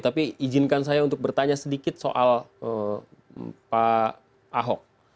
tapi izinkan saya untuk bertanya sedikit soal pak ahok